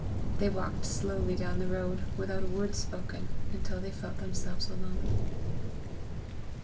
They walked slowly down the road, without a word spoken, until they felt themselves alone.